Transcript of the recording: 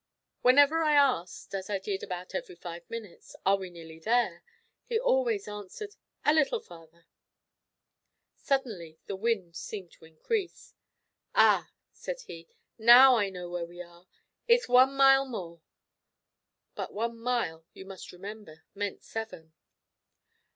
Whenever I asked (as I did about every five minutes), "Are we nearly there?" he always answered, "A little farther." Suddenly the wind seemed to increase. "Ah," said he, "now I know where we are; it's one mile more." But one mile, you must remember, meant seven.